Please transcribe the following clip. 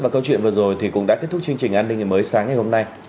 và câu chuyện vừa rồi cũng đã kết thúc chương trình an ninh ngày mới sáng ngày hôm nay